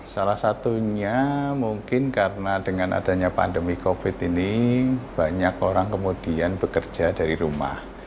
salah satunya mungkin karena dengan adanya pandemi covid ini banyak orang kemudian bekerja dari rumah